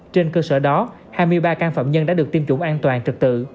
trên cơ sở đó hai mươi ba căn phạm nhân đã được tiêm chủng an toàn trực tự